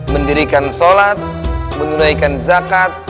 mendirikan sholat menunaikan zakat